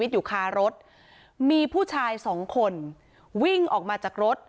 อยู่คารถมีผู้ชายสองคนวิ่งออกมาจากรถ